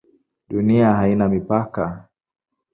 Dunia haina mipaka?